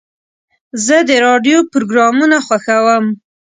زه د راډیو پروګرامونه خوښوم.